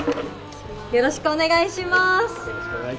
よろしくお願いします。